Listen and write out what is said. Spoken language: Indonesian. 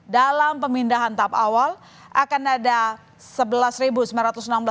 dalam pemindahan tahap awal akan ada sebelas perusahaan